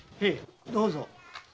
どうぞ。